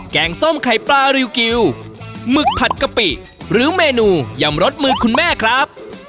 งส้มไข่ปลาริวกิวหมึกผัดกะปิหรือเมนูยำรสมือคุณแม่ครับ